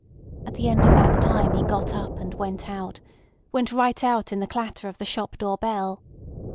At the end of that time he got up, and went out—went right out in the clatter of the shop door bell.